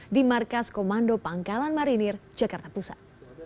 di markas komando pangkalan marinir jakarta pusat